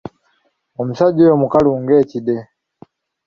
Omusajja oyo mukalu ng'ekide.